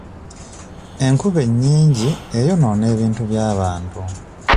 Enkuba ennyingi eyonoona ebintu by'abantu.